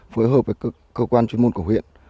phối hợp với cơ quan chuyên môn của huyện